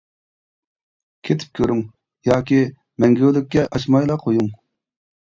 -كېتىپ كۆرۈڭ، ياكى مەڭگۈلۈككە ئاچمايلا قويۇڭ!